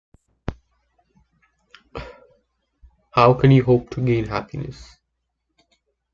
How can you hope to gain happiness?